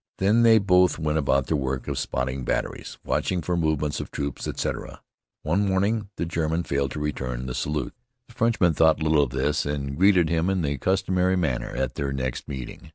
Then they both went about their work of spotting batteries, watching for movements of troops, etc. One morning the German failed to return the salute. The Frenchman thought little of this, and greeted him in the customary manner at their next meeting.